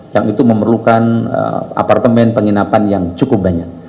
yang itu memerlukan apartemen penginapan yang cukup banyak